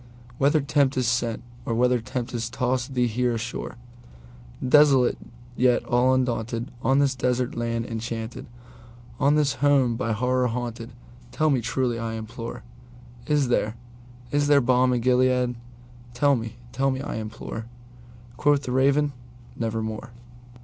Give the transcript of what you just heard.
Whether Tempter sent, or whether tempest tossed thee here ashore, Desolate yet all undaunted, on this desert land enchanted—On this home by Horror haunted—tell me truly, I implore:Is there—is there balm in Gilead?—tell me—tell me, I implore!"Quoth the Raven, "Nevermore."